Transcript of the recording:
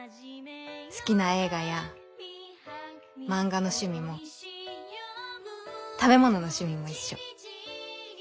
好きな映画や漫画の趣味も食べ物の趣味も一緒。